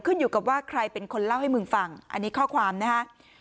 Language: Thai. ขึ้นอยู่กับว่าใครเป็นคนเล่าให้มึงฟังอันนี้ข้อความนะฮะ